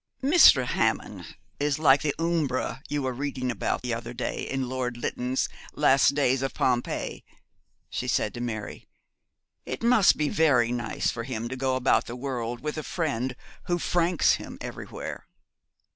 'Mr. Hammond is like the Umbra you were reading about the other day in Lord Lytton's "Last Days of Pompeii,"' she said to Mary. 'It must be very nice for him to go about the world with a friend who franks him everywhere.'